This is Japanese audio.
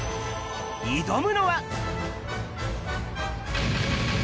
挑むのは。